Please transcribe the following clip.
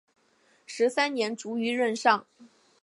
十三年卒于任上。